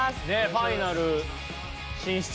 ファイナル進出。